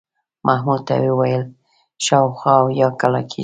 محمود ته مې وویل شاوخوا اویا کاله کېږي.